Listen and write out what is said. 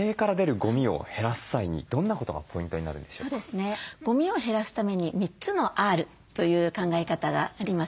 ゴミを減らすために３つのＲという考え方があります。